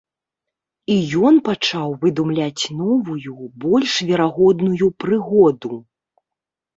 І ён пачаў выдумляць новую, больш верагодную прыгоду.